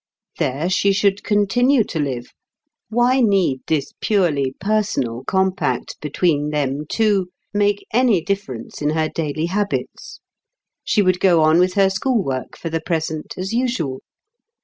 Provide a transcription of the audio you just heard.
There she should continue to live; why need this purely personal compact between them two make any difference in her daily habits? She would go on with her school work for the present, as usual.